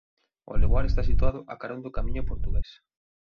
O lugar está situado a carón do Camiño Portugués.